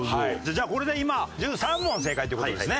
じゃあこれで今１３問正解という事ですね。